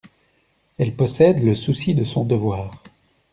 Elle possède le souci de son devoir.